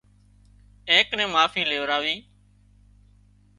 اين ڪنين معافي ليوراوي